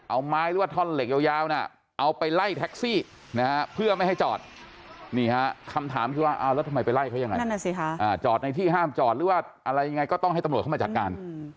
อะไรยังไงก็ต้องให้ตำรวจเข้ามาจัดการ